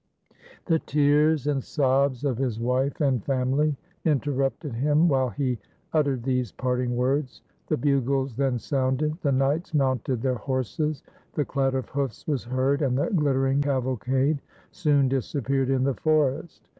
The tears and sobs of his wife and family interrupted him while he uttered these parting words. The bugles then sounded. The knights mounted their horses; the clatter of hoofs was heard, and the glittering cavalcade soon disappeared in the forest.